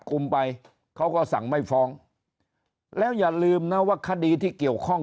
กลุ่มไปเขาก็สั่งไม่ฟ้องแล้วอย่าลืมนะว่าคดีที่เกี่ยวข้อง